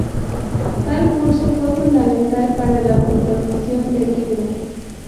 Tal curso fue fundamental para la conformación del libro.